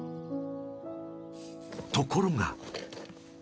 ［ところが］